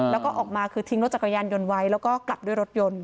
แล้วก็ออกมาคือทิ้งรถจักรยานยนต์ไว้แล้วก็กลับด้วยรถยนต์